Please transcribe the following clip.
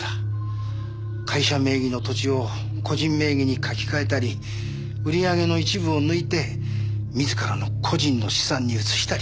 会社名義の土地を個人名義に書き換えたり売り上げの一部を抜いて自らの個人の資産に移したり。